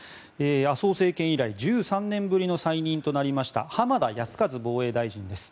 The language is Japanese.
麻生政権以来１３年ぶりの再任となりました浜田靖一防衛大臣です。